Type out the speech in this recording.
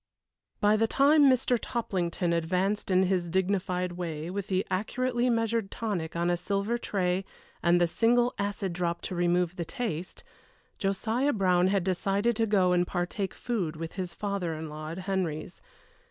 By the time Mr. Toplington advanced in his dignified way with the accurately measured tonic on a silver tray and the single acid drop to remove the taste, Josiah Brown had decided to go and partake food with his father in law at Henry's.